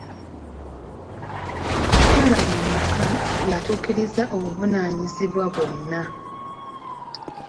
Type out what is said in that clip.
Omukyala mu maka yatuukiriza obuvunaanyizibwa bwonna.